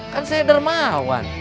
kan saya dermawan